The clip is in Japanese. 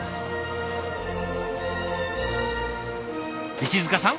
石束さん